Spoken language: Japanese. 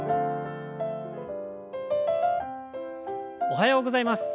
おはようございます。